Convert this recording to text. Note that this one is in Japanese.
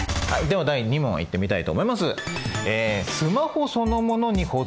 では第２問いってみたいと思います。